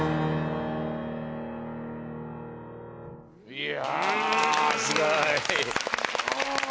いやすごい！